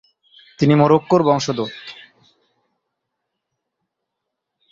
তিনি মরক্কোর বংশোদ্ভূত।